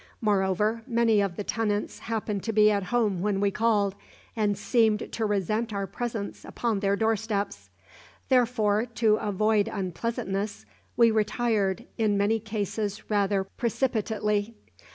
Moreover, many of the tenants happened to be at home when we called, and seemed to resent our presence upon their doorsteps. Therefore, to avoid unpleasantness, we retired, in many cases rather precipitately.